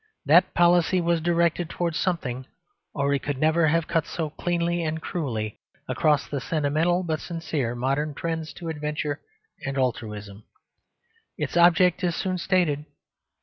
That policy was directed towards something or it could never have cut so cleanly and cruelly across the sentimental but sincere modern trends to adventure and altruism. Its object is soon stated.